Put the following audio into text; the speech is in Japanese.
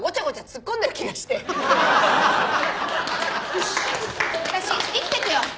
よし私生きてくよ。